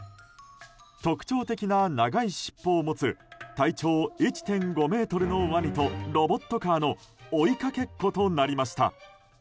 特徴的な長い尻尾を持つ体長１．５ｍのワニとロボットカーの追いかけっことなりました。